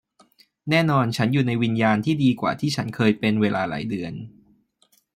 แน่นอนฉันอยู่ในวิญญาณที่ดีกว่าที่ฉันเคยเป็นเวลาหลายเดือน